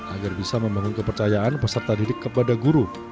agar bisa membangun kepercayaan peserta didik kepada guru